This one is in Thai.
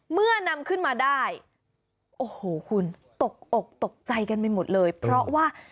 นำขึ้นมาได้โอ้โหคุณตกอกตกใจกันไปหมดเลยเพราะว่า